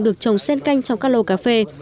được trồng sen canh trong các lầu cà phê